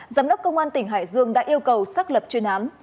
giám đốc công an tỉnh hải dương đã yêu cầu xác lập chuyên án